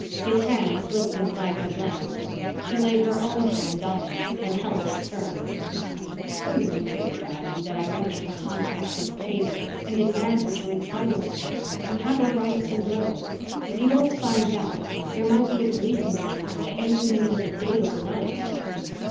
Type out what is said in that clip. His hand slipped inside her blouse. She laid her own hand on it and held it firm. "It's for your own good, darling, that I want you to contact this Taber and demand what you're entitled to. You have a right to know. If you don't find out, there might be a policeman at your door, any minute of the day or night."